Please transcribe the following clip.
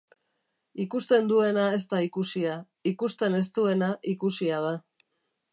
Ikusten duena ez da ikusia, ikusten ez duena ikusia da.